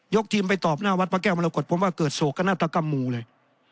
ทีมไปตอบหน้าวัดพระแก้วมรกฏผมว่าเกิดโศกนาฏกรรมหมู่เลย